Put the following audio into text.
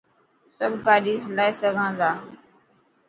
سب گاڏي هلائي سگهان ٿا.